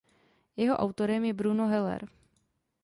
Jeho autorem je Bruno Heller.